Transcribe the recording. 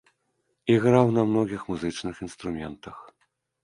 Іграў на многіх музычных інструментах.